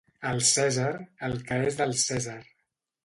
Al Cèsar el que és del Cèsar